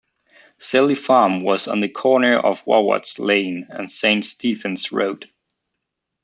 Selly Farm was on the corner of Warwards Lane and Saint Stephen's Road.